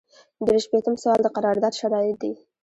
درې شپیتم سوال د قرارداد شرایط دي.